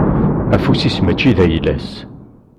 Afus-is mačči d ayla-s.